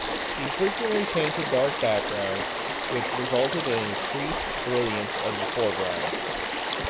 She frequently painted dark backgrounds, which resulted in increased brilliance of the foregrounds.